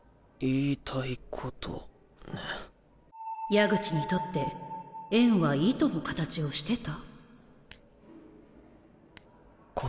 矢口にとって縁は糸の形をしてた？